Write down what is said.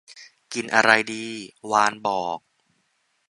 กินอะไรดี วานบอก